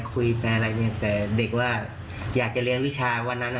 คุยไปอะไรเนี่ยแต่เด็กว่าอยากจะเรียนวิชาวันนั้น